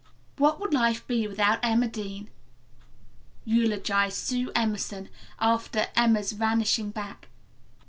"What would life be without Emma Dean?" eulogized Sue Emerson after Emma's vanishing back.